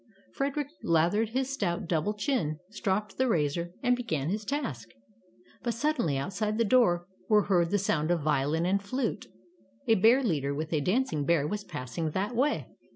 Fred erick lathered his stout double chin, stropped the razor and began his task. But suddenly, outside the door were heard the sound of violin and flute. A 8o Tales of Modern Germany bear leader with a dancing bear was passing that way.